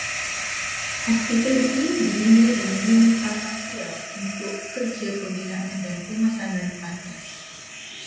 Hospital ini dibina dengan unit pasang siap untuk kerja pembinaan dan pemasangan pantas